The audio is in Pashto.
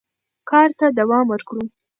کار ته دوام ورکړو.